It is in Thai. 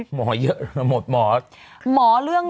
หมอเรื่องนึง